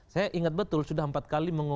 saya ingat betul sudah empat kali